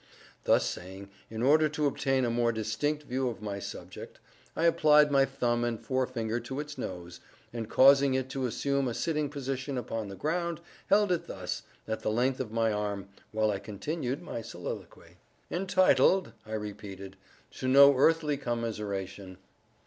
Thus saying, in order to obtain a more distinct view of my subject, I applied my thumb and forefinger to its nose, and causing it to assume a sitting position upon the ground, held it thus, at the length of my arm, while I continued my soliloquy. "Entitled," I repeated, "to no earthly commiseration.